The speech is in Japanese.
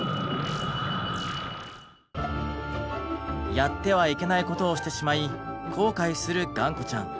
やってはいけないことをしてしまい後悔するがんこちゃん。